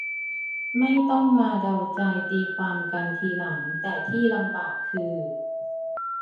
ไม่ต้องมาเดาใจตีความกันทีหลัง แต่ที่ลำบากคือ